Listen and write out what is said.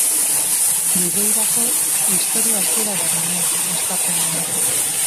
Gidoirako, istorio hasiera bat nuen, hastapenean.